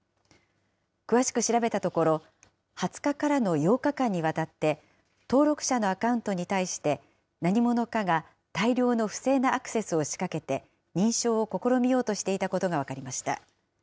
詳しく調べたところ、２０日からの８日間にわたって、登録者のアカウントに対して何者かが大量の不正なアクセスを仕掛けて認証を試みようとしていたことが分かりました。